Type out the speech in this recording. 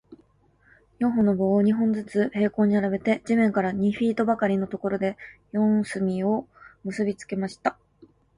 四本の棒を、二本ずつ平行に並べて、地面から二フィートばかりのところで、四隅を結びつけました。